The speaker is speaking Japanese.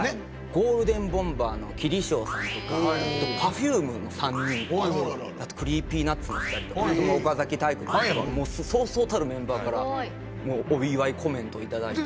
ゴールデンボンバーのキリショーさんとかあとＰｅｒｆｕｍｅの３人あとＣｒｅｅｐｙＮｕｔｓのお二人とか岡崎体育さんとかそうそうたるメンバーからお祝いコメントを頂いて。